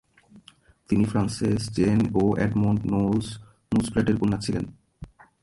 তিনি Frances Jane ও Edmund Knowles মুসপ্র্যাটের কন্যা ছিলেন।